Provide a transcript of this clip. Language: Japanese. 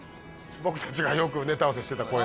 僕たちがよくネタ合わせしてた公園です